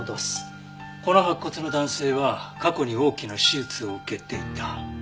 この白骨の男性は過去に大きな手術を受けていた。